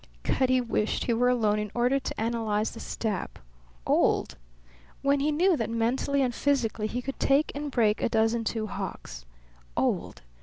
Cutty wished he were alone in order to analyze the stab. Old! When he knew that mentally and physically he could take and break a dozen Two Hawks. Old!